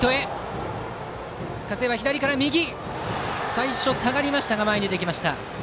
最初、下がりましたが前に出ました。